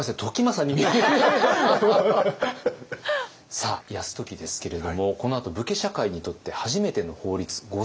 さあ泰時ですけれどもこのあと武家社会にとって初めての法律御成敗式目を制定します。